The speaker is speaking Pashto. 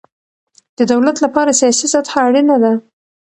د دولت له پاره سیاسي سطحه اړینه ده.